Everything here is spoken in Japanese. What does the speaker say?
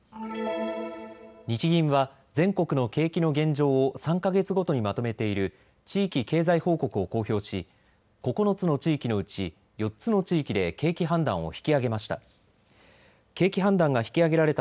日銀は全国の景気の現状を３か月ごとにまとめている地域経済報告を公表し９つの地域のうち４つの地域で景気判断を引き上げました。